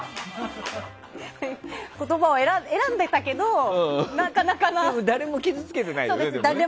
言葉を選んでたけど誰も傷つけてないよね。